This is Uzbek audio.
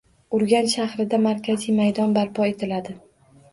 Urganch shahrida markaziy maydon barpo etiladi